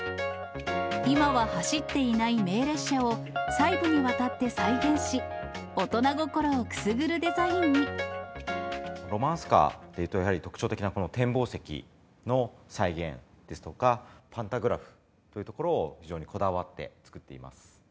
今は走っていない名列車を細部にわたって再現し、ロマンスカーというと、やはり特徴的なこの展望席の再現ですとか、パンタグラフというところを、非常にこだわって作っています。